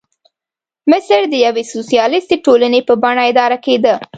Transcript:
مصر د یوې سوسیالیستي ټولنې په بڼه اداره کېده.